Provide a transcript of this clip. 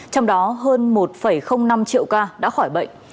trong đó hơn một năm triệu ca đã khỏi bệnh